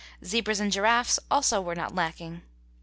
Zebras and giraffes also were not lacking.